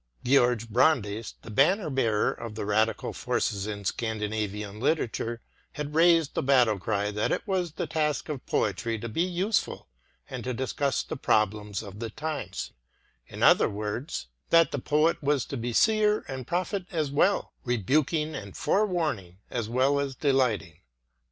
George Brandes, the banner bearer of the radical forces in Scandinavian literature, had raised the battle cry that it was the task of poetry to be useful and to discuss the problems of the times; in other words, that the poet was to be seer and prophet as 112 BEYOND HUMAN POWER well, rebuking and forewarning as well as delight ing.